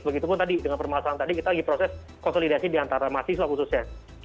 begitupun tadi dengan permasalahan tadi kita lagi proses konsolidasi diantara mahasiswa khususnya